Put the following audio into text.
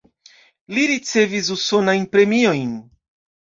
Li ricevis usonajn premiojn.